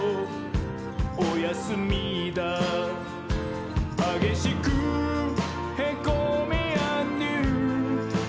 おやすみだー」「はげしくへこみーあんどゆー」